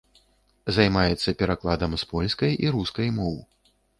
Займаецца перакладам з польскай і рускай моў.